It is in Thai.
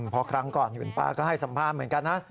เพราะครั้งก่อนคุณป้าก็ให้สัมภาษณ์เหมือนกันนะ